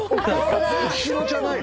後ろじゃないの！？